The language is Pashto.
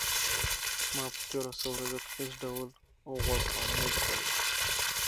ما په تېرو څو ورځو کې هیڅ ډول غوړ خواړه نه دي خوړلي.